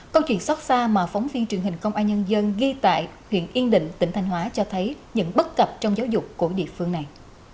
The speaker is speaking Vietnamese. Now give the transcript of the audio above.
câu chuyện xót xa mà phóng viên truyền hình công an nhân dân ghi tại huyện yên định tỉnh thanh hóa cho thấy những bất cập trong giáo dục của địa phương này